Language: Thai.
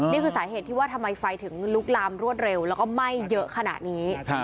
นี่คือสาเหตุที่ว่าทำไมไฟถึงลุกลามรวดเร็วแล้วก็ไหม้เยอะขนาดนี้